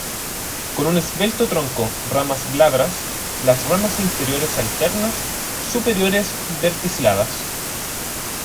Con un esbelto tronco, ramas glabras, las ramas inferiores alternas, superiores verticiladas.